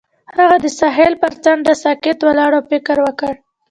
هغه د ساحل پر څنډه ساکت ولاړ او فکر وکړ.